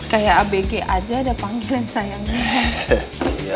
kayak abg aja ada panggilan sayangnya